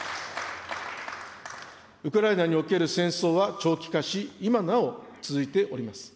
ウクライナにおける戦争は長期化し、今なお続いております。